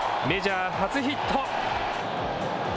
メジャー初ヒット。